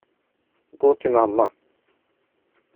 Gå till mamma.